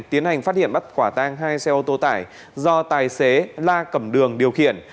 tiến hành phát hiện bắt quả tang hai xe ô tô tải do tài xế la cầm đường điều khiển